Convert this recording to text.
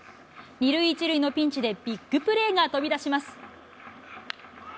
２塁１塁のピンチで、ビッグプレーが飛び出します。